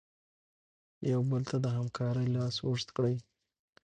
یو بل ته د همکارۍ لاس اوږد کړئ.